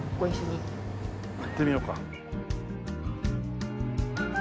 いってみようか。